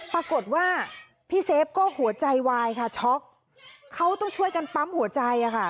ปรากฏว่าพี่เซฟก็หัวใจวายค่ะช็อกเขาต้องช่วยกันปั๊มหัวใจอะค่ะ